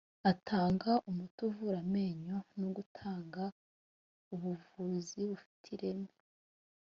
atanga umuti uvura amenyo no gutanga ubuvuzi bufite ireme